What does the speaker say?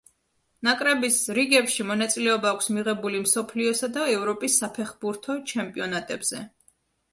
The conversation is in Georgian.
ნაკრების რიგებში მონაწილეობა აქვს მიღებული მსოფლიოსა და ევროპის საფეხბურთო ჩემპიონატებზე.